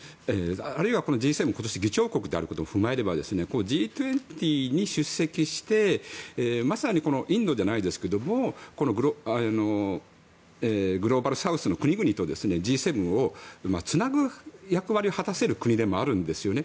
あるいはＧ７の今年議長国であることを踏まえればＧ２０に出席してまさにインドじゃないですけどグローバルサウスの国々とＧ７をつなぐ役割を果たせる国でもあるんですよね。